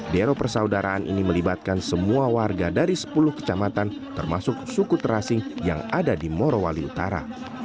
dero persaudaraan ini melibatkan semua warga dari sepuluh kecamatan termasuk suku terasing yang ada di morowali utara